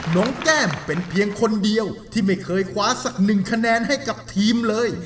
แก้มเป็นเพียงคนเดียวที่ไม่เคยคว้าสักหนึ่งคะแนนให้กับทีมเลย